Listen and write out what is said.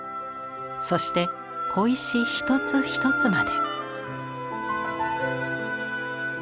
そして小石一つ一つまで。